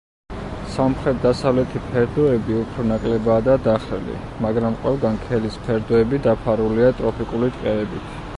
სამხრეთ-დასავლეთი ფერდოები უფრო ნაკლებადაა დახრილი, მაგრამ ყველგან ქედის ფერდოები დაფარულია ტროპიკული ტყეებით.